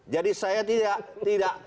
jadi saya tidak